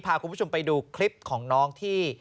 พาคุณผู้ชมไปดูคลิปของน้องที่